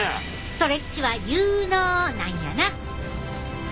ストレッチは有ＮＯなんやな！